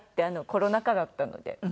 コロナ禍だったので。